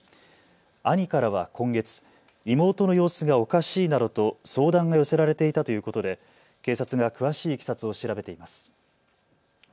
兄からは今月、妹の様子がおかしいなどと相談が寄せられていたということで、警察が詳しいいきさつを調べています。